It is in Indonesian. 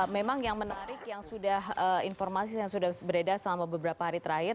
memang yang menarik yang sudah informasi yang sudah beredar selama beberapa hari terakhir